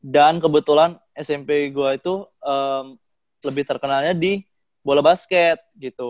dan kebetulan smp gue itu lebih terkenalnya di bola basket gitu